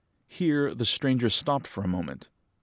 Here the stranger stopped for a moment.